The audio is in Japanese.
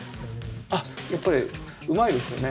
やっぱりうまいですよね。